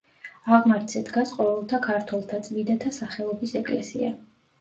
აღმართზე დგას ყოველთა ქართველთა წმიდათა სახელობის ეკლესია.